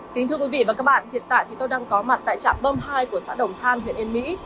kính thưa quý vị và các bạn hiện tại thì tôi đang có mặt tại trạm bơm hai của xã đồng than huyện yên mỹ